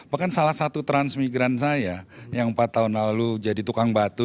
bahkan salah satu transmigran saya yang empat tahun lalu jadi tukang batu